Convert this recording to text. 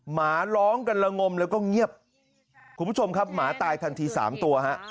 หมาร้องกันละงมแล้วก็เงียบคุณผู้ชมครับหมาตายทันทีสามตัวฮะ